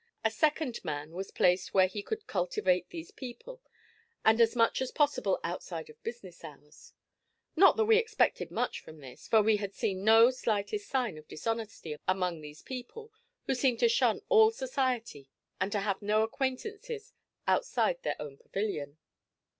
A second man was placed where he could cultivate these people, and as much as possible outside of business hours. Not that we expected much from this, for we had seen no slightest sign of dishonesty among these people, who seemed to shun all society and to have no acquaintances outside their own pavilion.